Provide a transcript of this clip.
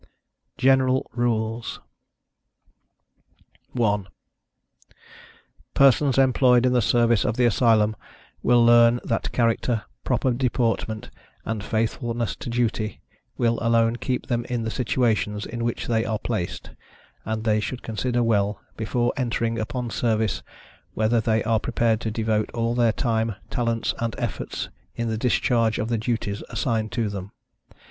GENERAL RULES. 1. Persons employed in the service of the Asylum will learn that character, proper deportment, and faithfulness to duty, will alone keep them in the situations in which they are placed; and they should consider well, before entering upon service, whether they are prepared to devote all their time, talents, and efforts, in the discharge of the duties assigned to them.